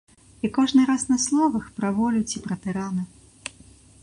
І кожны раз на словах пра волю ці пра тырана?